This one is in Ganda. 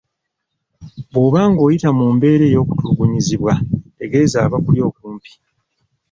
Bw’oba ng’oyita mu mbeera ey’okutulugunyizibwa, tegeeza abakuli okumpi.